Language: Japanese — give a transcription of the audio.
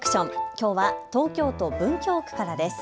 きょうは東京都文京区からです。